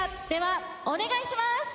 ではお願いします！